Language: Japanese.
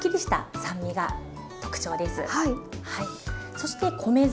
そして米酢。